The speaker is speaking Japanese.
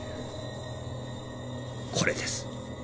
これです。